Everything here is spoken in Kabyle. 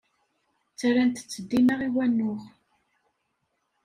Ttarran-tt dima i wanuɣ.